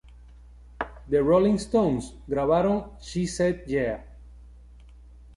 The Rolling Stones grabaron "She Said Yeah".